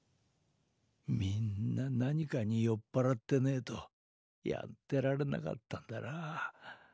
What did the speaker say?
みんな何かに酔っ払ってねぇとやってられなかったんだな。